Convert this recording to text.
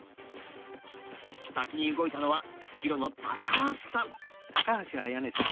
先に動いたのは白の橋さん。